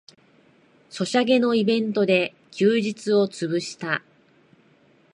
ソシャゲのイベントで休日をつぶした